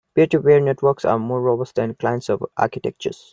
Peer-to-peer networks are more robust than client-server architectures.